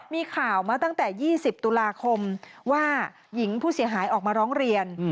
มีข่าวมาตั้งแต่๒๐ตุลาคมว่าหญิงผู้เสียหายออกมาร้องเรียน